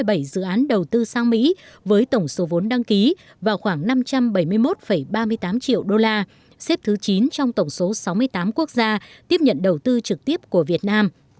việt nam có một trăm bốn mươi bảy dự án đầu tư sang mỹ với tổng số vốn đăng ký vào khoảng năm trăm bảy mươi một ba mươi tám triệu đô la xếp thứ chín trong tổng số sáu mươi tám quốc gia tiếp nhận đầu tư trực tiếp của việt nam